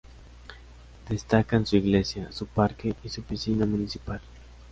Destacan su iglesia, su parque y su piscina municipal.